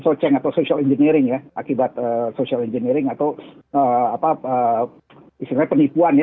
misalnya dengan soce atau social engineering ya akibat social engineering atau istilahnya penipuan ya